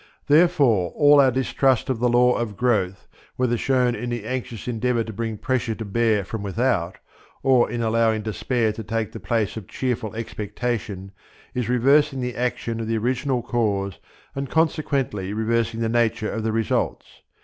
Therefore all our distrust of the law of growth, whether shown in the anxious endeavour to bring pressure to bear from without, or in allowing despair to take the place of cheerful expectation, is reversing the action of the original cause and consequently reversing the nature of the results.